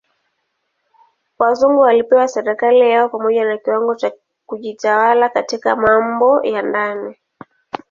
Wazungu walipewa serikali yao pamoja na kiwango cha kujitawala katika mambo ya ndani.